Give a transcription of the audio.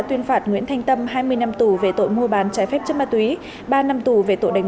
tuyên phạt nguyễn thanh tâm hai mươi năm tù về tội mua bán trái phép chất ma túy ba năm tù về tội đánh